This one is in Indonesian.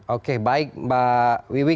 oke baik mbak wiwi